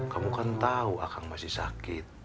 kamu kan tahu akang masih sakit